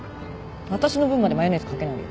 わたしの分までマヨネーズ掛けないで。